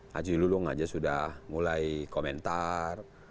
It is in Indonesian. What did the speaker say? haji lulung aja sudah mulai komentar